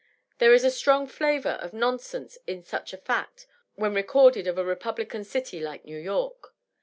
There is a strong flavor of nonsense in such a fact, when recorded of a republican city like New York.